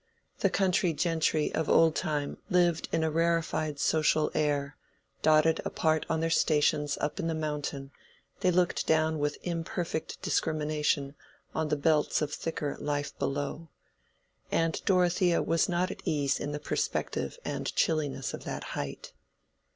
The country gentry of old time lived in a rarefied social air: dotted apart on their stations up the mountain they looked down with imperfect discrimination on the belts of thicker life below. And Dorothea was not at ease in the perspective and chilliness of that height.